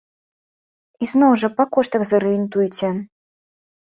І зноў, жа па коштах зарыентуйце.